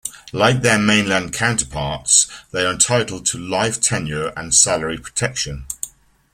Like their mainland counterparts, they are entitled to life tenure and salary protection.